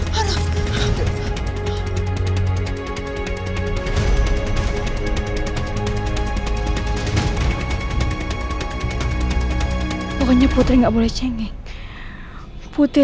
pokoknya putri enggak boleh cengek putri